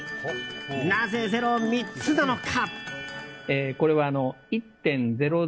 なぜ、ゼロ３つなのか？